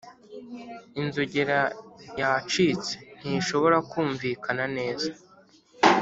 inzogera yacitse ntishobora kumvikana neza.